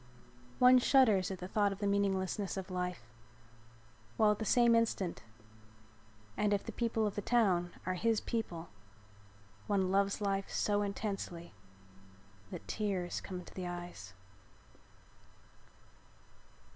One shudders at the thought of the meaninglessness of life while at the same instant, and if the people of the town are his people, one loves life so intensely that tears come into the eyes.